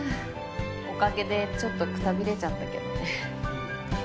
おかげでちょっとくたびれちゃったけどね。